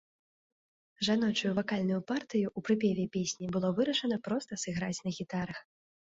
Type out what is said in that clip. Жаночую вакальную партыю ў прыпеве песні было вырашана проста сыграць на гітарах.